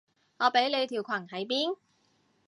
我畀你條裙喺邊？